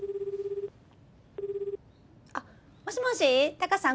あもしもしタカさん。